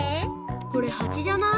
これハチじゃない？